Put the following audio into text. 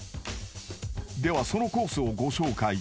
［ではそのコースをご紹介］